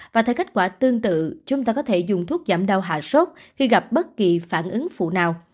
và theo kết quả tương tự chúng ta có thể dùng thuốc giảm đau hạ sốt khi gặp bất kỳ phản ứng phụ nào